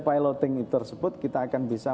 piloting tersebut kita akan bisa